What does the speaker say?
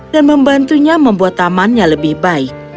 dan membantunya membuat tamannya lebih baik